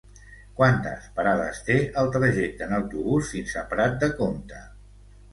Quantes parades té el trajecte en autobús fins a Prat de Comte?